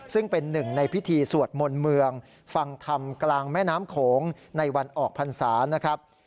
ซึ่งเป็นหนึ่งในพิธีสวดมนต์เมืองฟังธรรมกลางแม่น้ำโขงในวันออกพรรษานะครับ